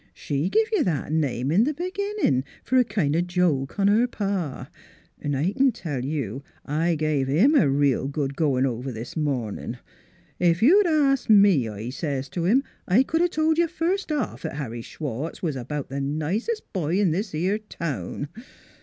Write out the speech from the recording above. "She give you that, name in th' be ginnin' fer a kind of a joke on her pa. ... 'N' I can tell you, I give him a real good goin' over this mornin' :' Ef you'd asked me,' I says t' him, 4 1 c'd a told you first off 'at Harry Schwartz was about th' nicest boy in this 'ere town.